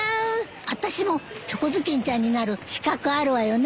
あたしもチョコ頭巾ちゃんになる資格あるわよね。